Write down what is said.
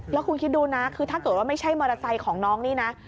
แล้วคุณคิดดูนะคือถ้าเกิดว่าไม่ใช่มอเตอร์ไซค์ของน้องนี่นะ